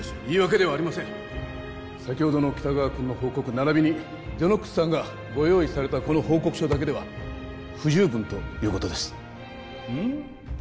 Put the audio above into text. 言い訳ではありません先ほどの北川君の報告ならびにゼノックスさんがご用意されたこの報告書だけでは不十分ということですんっ？